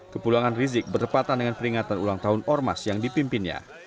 kepulangan rizik berdepatan dengan peringatan ulang tahun ormas yang dipimpinnya